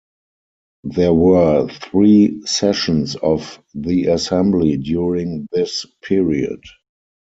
There were three sessions of the assembly during this period.